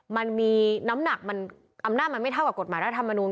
มันมีน้ำหนักมันอำนาจมันไม่เท่ากับกฎหมายรัฐมนูล